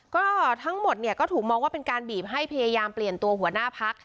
ก็ทั้งหมดเนี่ยก็ถูกมองว่าเป็นการบีบให้พยายามเปลี่ยนตัวหัวหน้าพัก